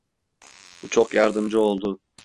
Bu çok yardımcı oldu.